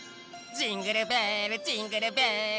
「ジングルベルジングルベル」